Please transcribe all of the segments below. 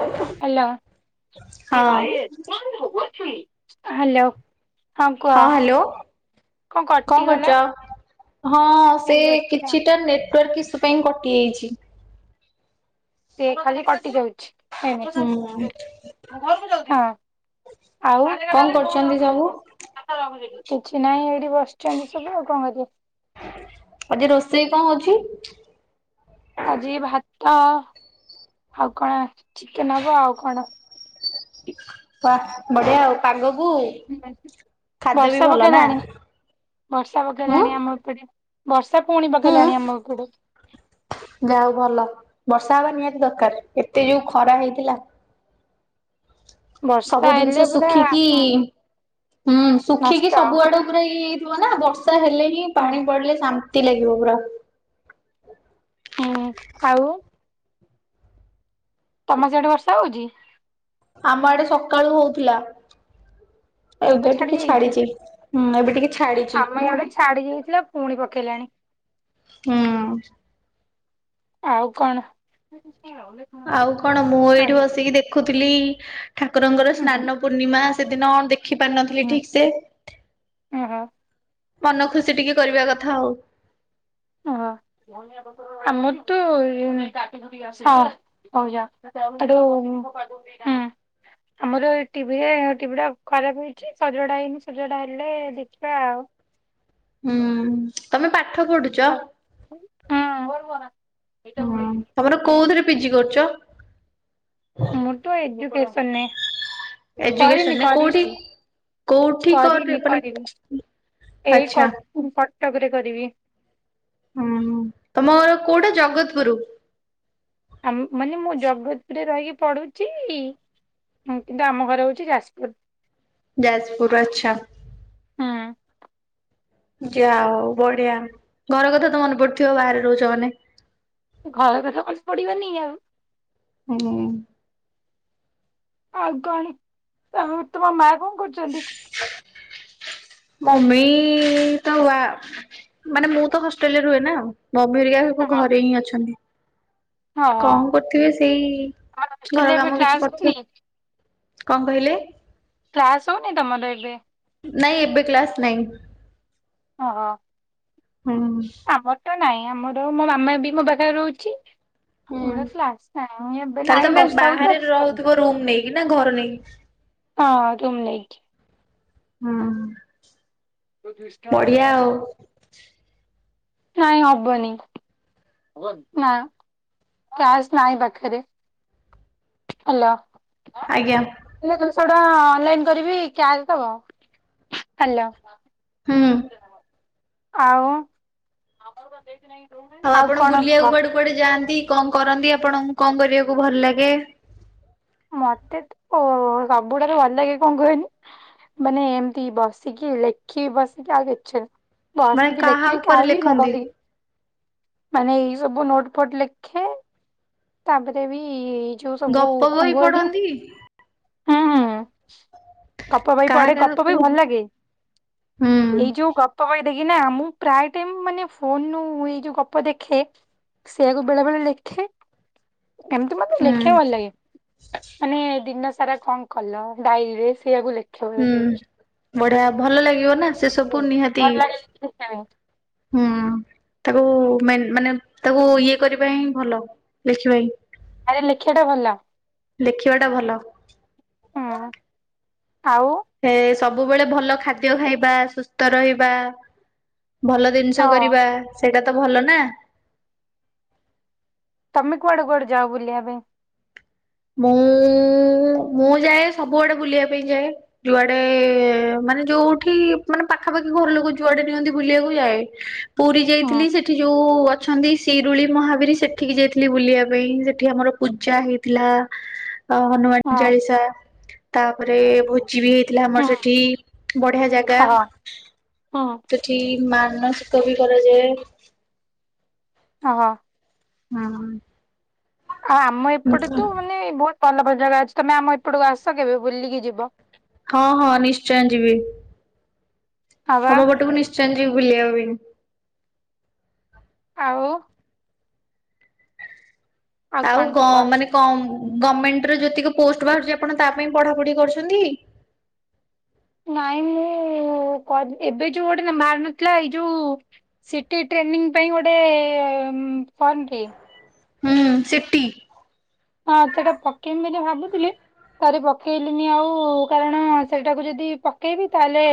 Hello. ହଁ hello. ହଁ hello. କଣ କରୁଚ? ହଁ ସେ ଏଇ ବସିଛି ଆଉ। କିଛିଟା ନେଟୱାର୍କ ଇସ୍ୟୁ ପାଇଁ କଟି ଯାଇଚି। ସେ ଖାଲି କଟି ଯାଉଚି। ହୁଁ [unintelligible] ହଁ, ଆଉ କଣ କରୁଛନ୍ତି ସବୁ? କିଛି ନାଇଁ ଏଇଠି ବସିଛନ୍ତି ସବୁ ଆଉ କଣ କରିବେ। ଆଜି ରୋଷେଇ କଣ ହଉଚି? ଆଜି ଭାତ ଆଉ କଣ ଚିକେନ୍ ହବ ଆଉ କଣ। [unintelligible] ବଢିଆ ଆଉ ପାଗକୁ ଖାଦ୍ୟ ବି ବର୍ଷା ଭଲ ନା ପକେଇଲାଣି ବର୍ଷା ହୁଁ। ପକେଇଲାଣି ଆମ ଏପଟେ। ବର୍ଷା ପୁଣି ହୁଁ ପକେଇଲାଣି ଆମ ଏପଟେ। ଯାହା ହଉ ଭଲ। ବର୍ଷା ହବା ନିହାତି ଦରକାର। ଏତେ ଯୋଉ ଖରା ହେଇଥିଲା। ବର୍ଷା ସବୁ ହେଲେ ଜିନିଷ ପୁରା ଶୁଖିକି ହୁଁ ନଷ୍ଟ। ଶୁଖିକି ସବୁଆଡୁ ପୁରା ଇଏ ହେଇଥିବ ନା ବର୍ଷା ହେଲେ ହିଁ ହୁଁ ପାଣି ପଡିଲେ ଶାନ୍ତି ଲାଗିବ ପୁରା। ହୁଁ ହୁଁ ଆଉ ତମ ସିଆଡେ ବର୍ଷା ହଉଚି? ଆମ ଆଡେ ସକାଳୁ ହଉଥିଲା। ଏବେ ଛାଡି ଟିକେ ଯାଇଛି। ଛାଡିଚି। ହୁଁ ଏବେ ଟିକେ ଛାଡିଚି ଆମ ଇଆଡେ ଛାଡି ଯାଇଥିଲା ପୁଣି ପକେଇଲାଣି। ହୁଁ। ଆଉ କଣ? ଆଉ କଣ ମୁଁ ଏଇଠି ଆଣିବା। ବସିକି ଦେଖୁଥିଲି ଠାକୁରଙ୍କର ହୁଁ ସ୍ନାନ ପୂର୍ଣ୍ଣିମା ସେଦିନ ଦେଖି ପାରିନଥିଲି ହୁଁ ଠିକ୍ ସେ। ଓହୋ ମନ ଖୁସି ଟିକେ କରିବା କଥା ଆଉ। ହଁ ଆମର ତ ଇଏ ହଁ। ହଉ ଯା। ହେଠୁ ହୁଁ। ଆମର ଟିଭିରେ ଟିଭି ଟା ଖରାପ ହେଇଚି ସଜଡା ହେଇନି ସଜଡା ହେଲେ ଦେଖିବା ଆଉ। ହୁଁ। ତମେ ପାଠ ପଢୁ ହଁ। [unintelligible] ତମର କୋଉଥିରେ ପିଜି କରୁଚ? ମୋର ତ ଏଜୁକେସନ ରେ। କରିନି ଏଜୁକେସନରେ କୋଉଠି? କରିଚି। କୋଉଠି କରେ କରିନି ମାନେ କରିବି। ଏଇ ଆଚ୍ଛା। କ କଟକରେ କରିବି। ହୁଁ, ତମ ଘର କୋଉଟା ଜଗତପୁର? ଆମ ମାନେ ମୁଁ ଜଗତପୁରରେ ରହିକି ପଢୁଚି ହୁଁ, କିନ୍ତୁ ଆମ ଘର ହଉଚି ଯାଜପୁର। ଯାଜପୁର ଆଚ୍ଛା। ହୁଁ। ଯାହା ହଉ ବଢିଆ। ଘର କଥା ତ ମନେ ପଡୁଥିବ ବାହାରେ ରହୁଚ ମାନେ? ଘର କଥା ମନେ ପଡିବନି ଆଉ। ହୁଁ ଆଉ [unintelligible] ତମ ତମ ମା କଣ କରୁଚନ୍ତି? ମମି ତ ବା ମାନେ ମୁଁ ତ ହଷ୍ଟେଲରେ ରୁହେ ନା। ମମି ହେରିକା ହଁ ସବୁ ହଁ ଘରେ ହିଁ ଅଛନ୍ତି। କଣ କରୁଥିବେ ସେଇ ଆମର ଘର ହଷ୍ଟେଲରେ ଏବେ କାମ କିଛି କ୍ଲାସ କରୁଥିବେ। ହଉନି କଣ କହିଲେ? କ୍ଲାସ୍ ହଉନି ତମର ଏବେ? ନାଇଁ ଏବେ କ୍ଲାସ ନାହିଁ। ଅ ହ। ହୁଁ। ଆମର ତ ନାଇଁ। ଆମର ମୋ ମାମା ବି ମୋ ପାଖରେ ରହୁଚି। ହୁଁ ତାହେଲେ ତମେ ବାହାରେ ରହୁଥିବ ରୁମ ନେଇକି ନା ଘର ନେଇକି [unintelligible] ହଁ ତମ ନେଇଟ୍। ହୁଁ। ଦୁଇ ଶହ ଟଙ୍କା ବଢିଆ କ୍ୟାସ ଆଉ ହବ? ନାଇଁ ହବନି। ନା କ୍ୟାସ ନାହିଁ ପାଖରେ। ହଲୋ। ଆଜ୍ଞା। ହେଲେ ଦୁଇଶହ ଟଙ୍କା ଅନଲାଇନ କରିବି କ୍ୟାସ୍ ଦବ ହାଲୋ। ହୁଁ। ଆଉ ଆଉ କଣ କୁହ? କୁଆଡ଼େ ଯାଆନ୍ତି କଣ କରନ୍ତି ଆପଣଙ୍କୁ କଣ କରିବାକୁ ଭଲ ଲାଗେ? ମତେ ଓ ସବୁଠାରୁ ଭଲ ଲାଗେ କଣ କହିଲୁ? ମାନେ ଏମିତି ବସିକି ଲେଖିବି ବସିକି ଆଉକିଛି ନା। ମାନେ ଵସିକି କାହା ଲେଖିବି ଉପରେ ଖାଇବି ଲେଖନ୍ତି ମୋବାଇଲ୍ ଦେଖିବି ମାନେ ଇଏ ସବୁ ନୋଟ ଫୋଟ ଲେଖେ। ତାପରେ ବି ଯୋଉ ସବୁ ଗପ କଣ ବହି କୁହନି ପଢନ୍ତି ହୁଁ ହୁଁ। ଗପ ବହି କାହା ପଢ଼େ କାହା ଗପ ବହି ଉପରେ? ଭଲ ଲାଗେ ହୁଁ ଏଇ ଯୋଉ ଗ ପ ବହିରେ କି ନା ମୁଁ ପ୍ରାୟ ଟାଇମ୍ ମାନେ ଫୋନୁ ଏଇ ଯୋଉ ଗପ ଦେଖେ। ସେଇଆକୁ ବେଳେ ବେଳେ ଲେଖେ। ଏମତି ମାନେ ହୁଁ ଲେଖେ ଭଲ ଲାଗେ ମାନେ ଦିନ ସା ସାରା କଣ କଲ ଡାଏରୀରେ ସେଇଆକୁ ଲେ [unintelligible] ହୁଁ ବଢିଆ ଭଲ ଲାଗିବ ନା ସେ ସବୁ ନିହାତି ହୁଁ ତାକୁ ମାନେ ତାକୁ ଇଏ କରିବା ହିଁ ଭଲ ଲେଖିବା ହିଁ। ଆରେ ଲେଖିବାଟା ଭଲ। ଲେଖିବା ଟା ଭଲ। ହଁ ଆଉ ହେ ସବୁବେଳେ ଭଲ ଖାଦ୍ୟ ଖାଇବା ସୁସ୍ଥ ରହିବା ଭଲ ଜିନିଷ ହଁ କରିବା ସେଇଟା ତ ଭଲ ନା। ତମେ କୁଆଡ଼େ କୁଆଡ଼େ ଯାଅ ବୁଲିବା ପାଇଁ? ମୁଁ ମୁଁ ଯାଏ ସବୁଆଡ଼େ ବୁଲିବା ପାଇଁ ଯାଏ। ଯୁଆଡ଼େ ମାନେ ଯୋଉଠି ମାନେ ପାଖାପାଖି ଘର ଲୋକ ଯୁଆଡ଼େ ନିଅନ୍ତି ବୁଲିବାକୁ ଯାଏ। ପୁରୀ ହୁଁ ଯାଇଥିଲି ସେଠି ଯୋଉ ଅ ଛନ୍ତି ଶିରୁଳି ମହାବୀର ସେଠିକି ଯାଇଥିଲି ବୁଲିବା ପାଇଁ ସେଠି ଆମର ପୂଜା ହେଇଥିଲା। ହ ହନୁମାନ ହଁ ଚାଳିଶା। ତାପରେ ଭୋଜି ବି ହେଇଥିଲା ଆମର ହଁ ସେଠି ବଢ଼ିଆ ଜାଗା। ହଁ। ସେଠି ମାନସିକ ବିି କରାଜାଏ। ଓହୋ। ହୁଁ। ଆଉ ଆମ ଏପଟେ ତୁ ମାନେ ବହୁତ ଭଲ ଭଲ ଜାଗା ଅଛି ତମେ ଆମ ଏପଟକୁ ଆସ କେବେ ବୁଲିକି ଯିବ। ହଁ ହଁ ନିଶ୍ଚୟ ଯିବି। ହଁ ବା ତମ ପଟକୁ ନିଶ୍ଚୟ ଯିବି ଭୁଲିବା ପାଇଁ। ଆଉ ଆଉ କଣ ଗ କୁହ? ମାନେ କମ ଗମେଣ୍ଟର ଯେତିକି ପୋଷ୍ଟ ବାହାରୁଛି ଆପଣ ତା ପାଇଁ ପଢ଼ାପଢ଼ି କରୁଛନ୍ତି। ନାଇଁ ମୁଁ କ ଏବେ ଯୋଉ ଗୋଟେ ବାହାରି ନଥିଲା ଏଇ ଯୋଉ ସିଟି ଟ୍ରେନିଂ ପାଇଁ ଗୋଟେ ଫର୍ମ ଟିଏ। ହୁଁ ସିଟି ହଁ ସେଟା ପକେଇମି ବୋଲି ଭାବିଥିଲି। ପାରି ପକେଇଲିନି ଆଉ କାରଣ ସେଟାକୁ ଯଦି ପକେଇବି ତାହେଲେ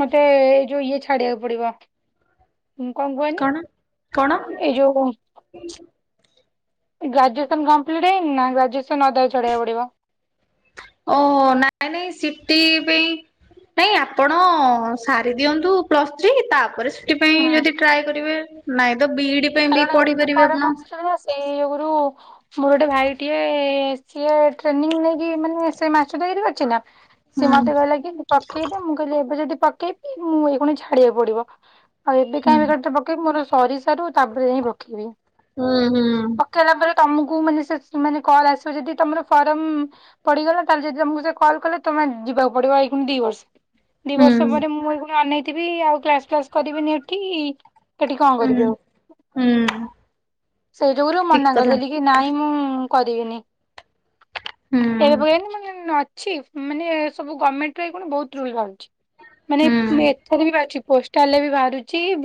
ମତେ ଏଇ ଯୋଉ ଇଏ ଛାଡ଼ିବାକୁ ପଡ଼ିବ। କଣ କଣ? ଏଇ ଯୋଉ ଗ୍ରାଜୁଏସନ କମ୍ପ୍ଟ ହେ ଗ୍ରାଜୁଏସନ ଅଦ ଚଡେଇକୁ ପଡିବ ଓହୋ ନାଇଁ ନାଇଁ ସିଟି ପାଇଁ ନାଇଁ ଆପଣ ସାରି ଦିଅନ୍ତୁ ପ୍ଲସ୍ ଥ୍ରୀ ତାପରେ ହଁ। ଯଦି ଟ୍ରାଏ କରିବେ ନାଇଁ ତ ବି ପାଇଁ କାର ପଢି ପାରିବେ ଆପଣ। ପରମର୍ସ ନା ସେଇ ଯୋଗୁରୁ ମୋର ଗୋଟେ ଭାଇ ଟିକେ ସିଏ ଟ୍ରେନିଂ ନେଇକି ମାନେ ସେ ମାସ ରି କରିଛି ନା ସେ ହୁଁ ମତେ କହିଲେ କି ପକେଇଦ ମୁଁ କହିଲି ଏବେ ଯଦି ପକେଇବି ମୁଁ ଏଇକୁଣ ଛାଡିବାକୁ ପଡିବ ଆଉ ଏବେ ହୁଁ କାଇହିଁ ବି ଗଟ ପକେଇବି ମୋର ସରିସାରୁ ତାପରେ ହିଁ ପକେଇବି ହୁଁ। କଲା ପରେ ତମକୁ ମାନେେ କଲ ଆସିବ ଯଦି ତମର ଫରମ ପଡିଗଲା ତାହେଲେ ଯଦି ତମକୁ ସେ କଲ୍ କଲେ ତମେ ଯିବାକୁ ପଡିବ ଏଇ ଦି ବର୍ଷ ଦି ହୁଁ ହୁଁ ବର୍ଷ ପରେ ମୁଁ ଏ ଅନେଇଥିବି ଆଉ କ୍ଲାସ ଫ୍ଲାସ କରିବିନି ଏଠି କେଠି କଣ ହୁଁ କରିବି ଆଉ ହୁଁ ସେଇ ଯୁରୁ ଠିକ ମନା କଥା କରି କି ନାଇଁ ମୁଁ କରିବିନି ହୁଁ ଏବେ ପ ଅ ମାନେ ସବୁ ଗଭର୍ଣମେଣ୍ଟ ର ବହୁତ ରୁଲ ରଛି ମାନେ ହୁଁ। ଏଥର ବି ଅଛି ପୋଷ୍ଟ କଲେ ବି ବାହାରୁଛିଙ୍କ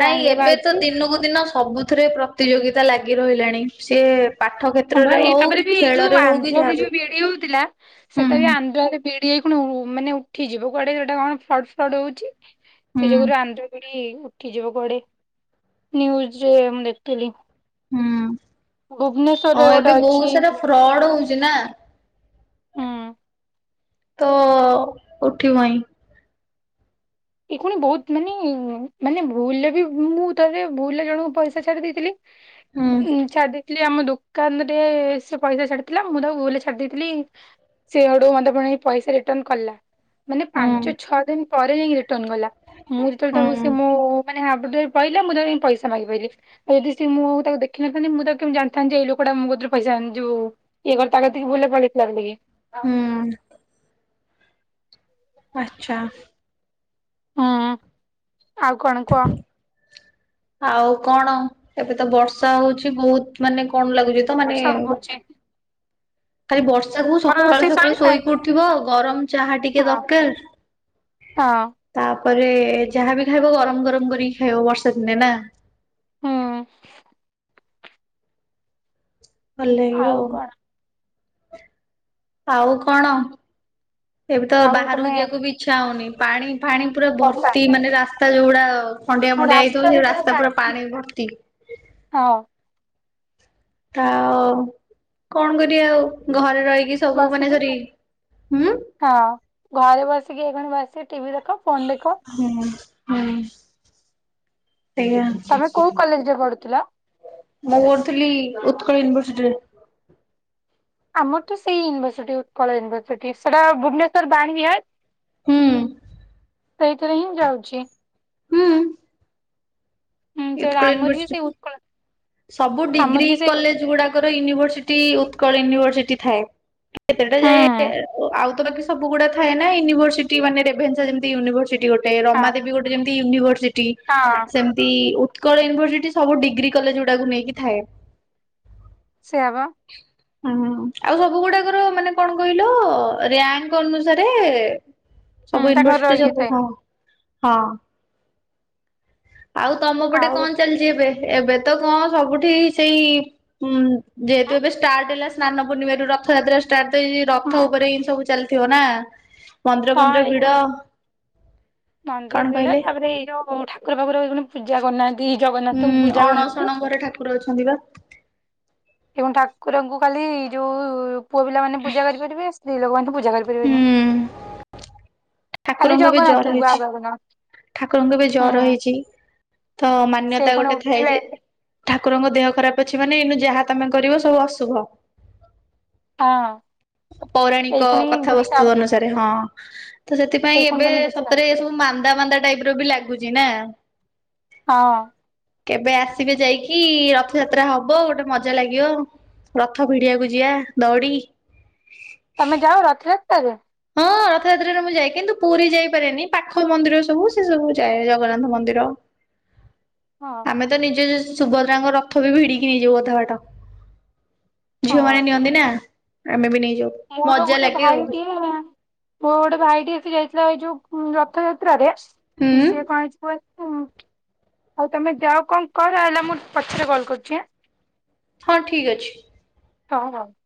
ନାଇଁ ରେ ଏବେ ତ ବାହାରୁଛି ଦିନକୁ ଦିନ ସବୁଥିରେ ପ୍ରତିଯୋଗିତା ଲାଗି ରହିଲାଣି ସି ହ ଏଇ ତାପରେ ବି ଏଇ ଯୋଉ କି ଆନ୍ଧ୍ରରେ ଯାହାବି ଯୋଉ ବିଡି ହଉଥିଲା ହୁଁ ସେଟା ବି ଆନ୍ଧ୍ରରେ ଡି ହେଇ କ ମାନେ ଉଠିଯିବ କୁଆଡେ ସେଟା କଣ ଫ୍ଲଡ ଫ୍ଲଡ ହଉଛି ହୁଁ ସେ ଯୁରୁ ଆନ୍ ଉଠିଯିବ କୁଆଡେ ୁଜ ରେ ମୁଁ ଦେଖିଥିଲି ହୁଁ। ଭୁବନେଶ୍ଵରରେ ଗୋଟେ ଅଛି ଫ୍ରଡ଼ ହଉଛି ନା ତ ଉଠିବାଇଁ ଏ ପୁଣି ବହୁତ ମାନେ ମାନେ ଭୁଲରେ ବି ମୁଁ ତରେ ଭୁଲରେ ଜଣଙ୍କୁ ପଇସା ଛାଡି ଦେଇଥିଲି ହୁଁ ଉଁ ଚଦଖ ଆମ ଦୋକାନ ରେ ସେ ପଇସା ଛାଡିଥିଲା ମୁଁ ତାକୁ ବ ଛାଡି ଦେଇେଇଥିଲି ସେଆଡୁ ମତେ ପୁଣି ପଇସା ରିଟର୍ନ କଲା ମାନେ ହୁଁ ପାଞ୍ଚ ଛଅ ଦିନ ପରେ ଯାଇକି ରିଟର୍ଣ ଗଲା ହୁଁ ମୁଁକୁ ସେ ମୋ ନାଁପ ଯ ପହିଲ ମୁଁ ତି ପଇସା ମାଗିାରି ଆଉ ଯଦି ସେ ମୁଁ ଆଉ ତାକୁ ଦେଖିନଥାନ୍ତି ମୁଁ କେମି ଜାଣିଥାନ୍ତି ଯେ ଏଇ ଲୋକଟା ମୋ କରେ ପସାନ୍ତିୋଉ ଏ କର ତାଙ୍କତି କିି ବୁଲ ପାାଗିତ ଲାଗିଲ ହୁଁ କି ଆଚଛା ହୁଁ ଆଉ କଣ କୁହ ଆଉ କଣ ଏବେ ତ ବର୍ଷା ହଉଛି ବହୁତ ମାନେ କଣ ଲାଗୁଛି ତ ମାନେ ସବୁ ହଉଛି ଖାଲି ବର୍ଷାକୁ ତମର ସକାଳୁ ରୋଷେଇ ସକାଳୁ ସଇଲା? ଶୋଇକ ଉଠଥିବ ଆଉ ଗରମ ଚାହା ଟିକେ ହଁ ଦରକାର ହଁ ତାପରେ ଯାହାବ ଖାଇବ ଗରମ ଗରମ କରିକି ଖାଇବ ବର୍ଷା ଦିନେ ନା ହଁ ଭଲଉ ଆଉ କଣ ଆଉ କଣ ଏବେ ତ ଆଉ ବାହାରକୁ ତମେ ଯିବାକୁ ବି ଇଚ୍ଛା ହଉନି ପାଣି ପାଣି ପୁରା ବର୍ଷା ଭର୍ତ୍ତି ମାନେ ରାସ୍ତା ଯୋଉଗୁଡା ଖଣ୍ଡିଆ ମଣ୍ଡିଆ ହେଇଥିବ ସେ ରାସ୍ତା ପୁରା ପାଣି ଭର୍ତି ହଁ ଆଉ କଣ କରିବା ଆଉ ଘରେ ରହିକି ମୁଁ ସବୁ ମାନେ ଆସିଲି ଧରି ହୁଁ ହଁ ଘରେ ବସିକି ଏ କଣ ବସିବେ ଟିଭି ଦେଖ ଫୋନ ଦେଖ ହଁ ହୁଁ ସେଇଆା ତମେ କୋଉ କଲେଜରେ ପଢୁଥିଲ? ମୁଁ କରୁଥିଲି ଉତ୍କଳ ୟୁନିଭରସିଟିରେ ଆମର ତ ସେଇ ୟୁିର୍ସିଟି ଉତ୍କଳ ୟୁନିର୍ସିଟି ସେଇଟା ଭୁବନେଶ୍ୱର ବାଣୀ ହୁଁ ସେଇଥିରେ ହିଁ ଯାଉଛି ହୁଁ ସେଇଟା ଳ ଆମର ନି ବି ସେଇ ଉତ୍କଳ ସବୁ ଡିଗ୍ରୀ ଆମର ବି ସେଇ ହୁଁ କଲେଜ ଗୁଡା [inaudible] ତୋର ୟୁନିଭରସିଟି ଉତ୍କଳ ୟୁନିଭରସିଟି ଥାଏ କେତେଟା ଯାଏ ହଁ। ଆଉ ତ ସବୁ ଗୁଡାଥାଏ ନା ୟୁନିଭଅର୍ସିଟି ମାନେ ରେଭେନ୍ସା ଯେମିତି ୟୁନିଭରର୍ସିଟି ଗୋଟେ। ଗୋଟେ ରମା ଦେବୀ ଗୋଟେ ଯେମତି ୟୁନିଭରସିଟି ହଁ ସେମିତି। ଉତ୍କଳ ୟନିଭର୍ସିଟି ସବୁ ଡିଗ୍ରୀ କଲେଜ ଗୁଡାକୁ ନେଇକି ଥାଏ। ସେଇଆ ବା। ହଁ ଆଉ ସବୁ ଗୁଡାକର ମାନେ କଣ କହିଲ ରାଙ୍କ ଅନୁସାରେ ହୁଁ ସବୁ ତାଙ୍କର ୟୁନିଭର୍ସିଟି ଇଏ ସବୁ ଥାଏ ହଁ। ଆଉ ତମ ପଟେ ଆଉ କଣ ଚାଲିଛି ଏବେ ଏବେ ତ କଣ ସବୁଠି ସେଇ ଉ ଯେହେତୁ ଏବେ ଷ୍ଟାର୍ଟ ହେଲା ସ୍ନାନ ପୂର୍ଣ୍ଣିମା ରୁ ରଥଯାତ୍ରା [unintelligible] ହୁଁ। ରଥ ଉପରେ ଏ ସବୁ ଚାଲିଥିବ ନା ମନ୍ଦିର ହଁ ଫନ୍ଦିର ଏଇ ଭିଡ। ଖୁଣି ମନ୍ଦିର କଣ ଭିଡ କହିଲେ ତାପରେ ଏଇ ଯୋଉ ଠାକୁର ବାଖୁର ପୂଜା କରୁନାହାନ୍ତି ଜଗନ୍ନାଥଙ୍କୁ ପୂଜା କରୁନାହାନ୍ତି। କରେ ଅଛନ୍ତି ବା [unintelligible] ଏବଂ ଠାକୁରଙ୍କୁ ଖାଲି ଯୋଉ ପୁଅ ପିଲାମାନେ ପୂଜା କରିପାରିବେ ସ୍ତ୍ରୀ ଲୋକ ମାନେ ପୂଜା କରିପାରିବେନି। ହୁଁ ଖାଲି ଠାକୁରଙ୍କୁ ଏବେ ଜର ଜଗନାଥୁଙ୍କୁ ହେଇଛି। ଆଉ କାହାକୁ ନୁହଁ। ଠାକୁରଙ୍କୁ ଏବେ ଜର ହୁଁ ହେଇଚି ତ ସେଇ ମାନ୍ୟତା ଖୁଣି ଗୋଟେ ଥାଏ ଉଠିବେ ଯେ ଠାକୁରଙ୍କ ଦେହ ଖରାପ ଅଛି ମାନେ ଏଇନୁ ଯାହା ତମେ କରିବ ସବୁ ଅଶୁଭ। ହଁ। ଏଇ ପୌରାଣିକ ଖୁଣି କିଛି କଥାବସ୍ତୁ ହବନି। ଅନୁସାରେ ହଁ ତ ଏଇ ସେଥିପାଇଁ ଖୁଣି ଏବେ ତମେ କିଛି ନ ସତରେ ଏସବୁ ମାନ୍ଦା ମାନ୍ଦା ଟାଇପ ର ବି ଲାଗୁଚି ନା ହଁ। କେବେ ଆସିବେ ଯାଇକି ରଥଯାତ୍ରା ହବ ଗୋଟେ ମଜା ଲାଗିବ। ରଥ ଭିଡିିବାକୁ ଯିବା ଦଉଡି। ତମେ ଯାଅ ରଥ ଯାତ୍ରାରେ। ହଁ ରଥଯାତ୍ରାରେ ମୁଁ ଯାଏ କିନ୍ତୁ ପୁରୀ ଯାଇପାରେନି ପାଖ ମନ୍ଦିର ସବୁ ସେ ସବୁ ଯାଏ ଜଗନ୍ନାଥ ମନ୍ଦିର। ହଁ। ଆମେ ତ ନିଜେ ସୁଭଦ୍ରାଙ୍କ ରଥ ବି ଭିଡିକି ନେଇଯାଉ ଅଧା ବାଟ। ଝିଅ ହଁ। ମାନ ନିଅନ୍ତି ନା ଆମେ ବି ନେଇଯାଉ। ମୋର ମଜା ଗୋଟେ ଲାଗେ ଆଉ ଭାଇଟିଏ ମୋ ଗୋଟେ ଭାଇଟିଏ ସେ ଯାଇ ଇଥିଲା ଏଇ ଯୋଉ ରଥଯାତ୍ରାରେ ହୁଁ ସିଏ କଣ ହେଇଛି କୁହନି। ହ ଆଉ ତୁମେ ଯାଅ କଣ କର ହେଲା ମୁଁ ପଛରେ କଲ୍ କରୁଛି ଆଁ। ହଁ ଠିକ ଅଛି। ହଁ ରଖ୍।